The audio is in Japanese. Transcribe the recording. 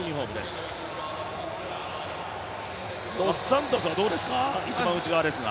ドスサントスはどうですか一番内側ですが。